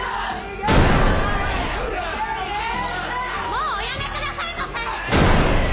もうおやめくださいませ！